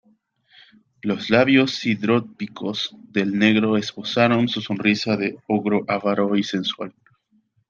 los labios hidrópicos del negro esbozaron una sonrisa de ogro avaro y sensual: